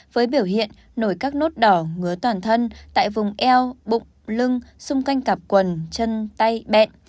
với biểu hiện nổi các nốt đỏ ngứa toàn thân tại vùng eo bụng lưng xung quanh cặp quần chân tay bẹn